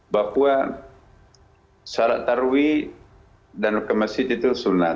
bahwa sholat tarwi dan ke masjid itu sunat